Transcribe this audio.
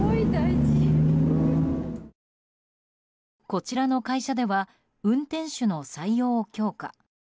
こちらの会社では運転手の採用を強化。